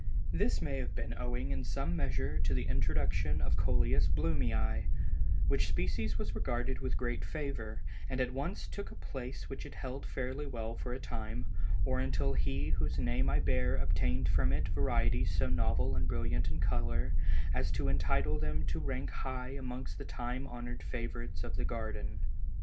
This may have been owing in some measure to the introduction of Coleus Blumei, which species was regarded with greater favor, and at once took a place which it held fairly well for a time, or until he whose name I bear obtained from it varieties so novel and brilliant in color, as to entitle them to rank high amongst the time honored favorites of the garden.